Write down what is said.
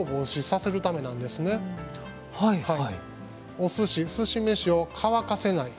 お寿司すし飯を乾かせない。